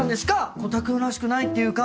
コタくんらしくないっていうか。